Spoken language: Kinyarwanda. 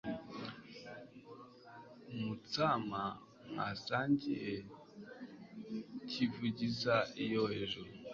umutsama mwasangiye kivugiza iyo hejuru